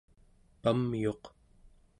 pamyuq